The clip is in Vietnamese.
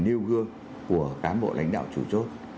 nêu gương của cán bộ lãnh đạo chủ chốt